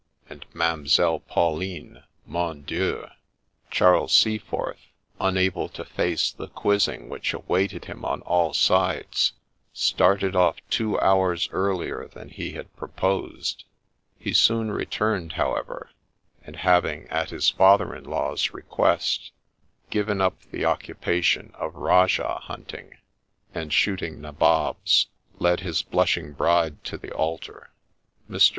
' and Ma'mselle Pauline, ' Mon Dieu !' Charles Seaforth, unable to face the quizzing which awaited him on all sides, started off two hours earlier than he had pro posed: — he' soon returned, however; and having at his father in law's request, given up the occupation of Rajah hunting and shooting Nabobs, led his blushing bride to the altar. Mr.